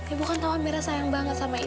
ibu kan tahu amirah sayang banget sama dia